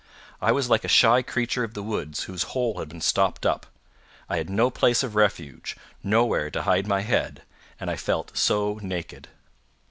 I was like a shy creature of the woods whose hole had been stopped up: I had no place of refuge nowhere to hide my head; and I felt so naked!